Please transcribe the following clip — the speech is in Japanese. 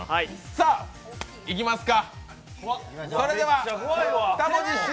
さぁ、いきますか。